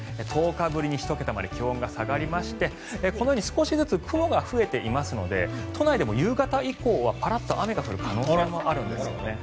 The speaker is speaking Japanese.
１０日ぶりに１桁まで気温が下がりましてこのように少しずつ雲が増えていますので都内でも夕方以降はパラッと雨が降る可能性もあるんですよね。